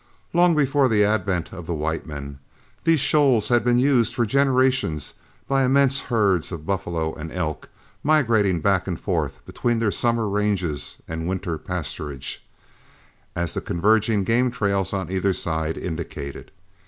Long before the advent of the white man, these shoals had been in use for generations by the immense herds of buffalo and elk migrating back and forth between their summer ranges and winter pasturage, as the converging game trails on either side indicated.